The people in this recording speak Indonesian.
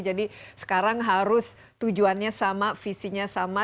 jadi sekarang harus tujuannya sama visinya sama